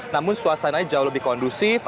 namun suasana jauh lebih kondusif